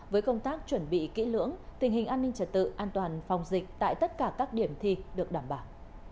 với công tác chuẩn bị kỹ lưỡng tình hình an ninh trật tự an toàn phòng dịch tại tất cả các điểm thi được đảm bảo